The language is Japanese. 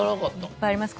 いっぱいあります。